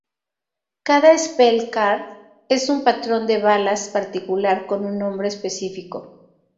Cada spell card es un patrón de balas particular con un nombre específico.